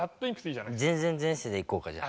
「前前前世」でいこうかじゃあ。